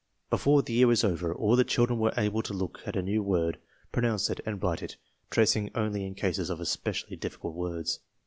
Before the year was over all the children were able to look at a new word, pronounce it, and write it, trac ing only in cases of especially difficult words.